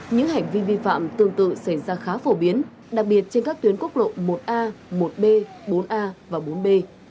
những hành vi vi phạm tương tự xảy ra khá phổ biến đặc biệt trên các tuyến quốc lộ một a một b bốn a và bốn b